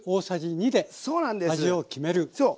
そう。